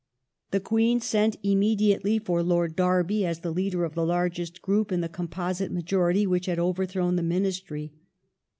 The Queen sent immediately for Lord Derby as the leader of the largest group in the composite majority which had overthrown the Ministry.